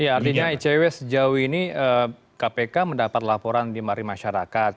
ya artinya icw sejauh ini kpk mendapat laporan di mari masyarakat